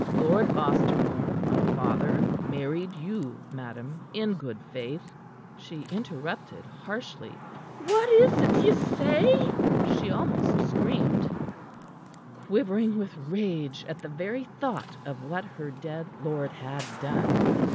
"Lord Ostermore, my father, married you, madam, in good faith." She interrupted harshly. "What is't you say?" she almost screamed, quivering with rage at the very thought of what her dead lord had done.